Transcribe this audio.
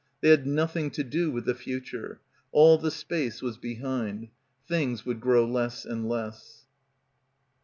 They had nothing to do with the future. All the space was behind. Things would grow less and less.